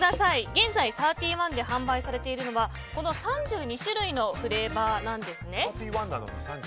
現在、サーティワンで販売されているのは３２種類のフレーバーなんですね。